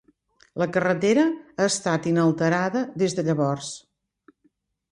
La carretera ha estat inalterada des de llavors.